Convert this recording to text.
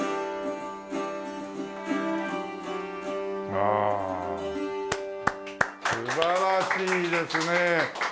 ああ素晴らしいですね。